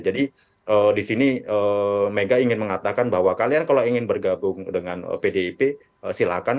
jadi di sini mega ingin mengatakan bahwa kalian kalau ingin bergabung dengan pdip silahkan